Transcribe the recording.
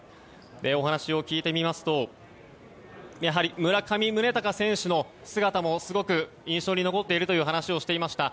お話を聞いてみますとやはり、村上宗隆選手の姿もすごく印象に残っているという話もしていました。